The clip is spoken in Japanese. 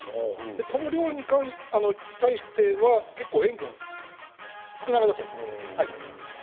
この量に対しては結構塩分少なめだと思います。